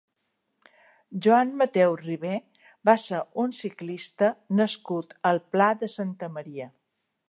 Joan Mateu Ribé va ser un ciclista nascut al Pla de Santa Maria.